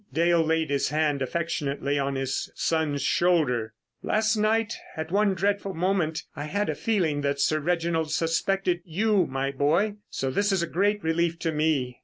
Dale laid his hand affectionately on his son's shoulder. "Last night, at one dreadful moment, I had a feeling that Sir Reginald suspected you, my boy, so this is a great relief to me."